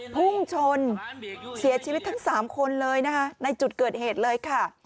พุ่งชนเสียชีวิตทั้ง๓คนเลยนะคะในจุดเกิดเหตุเลยค่ะ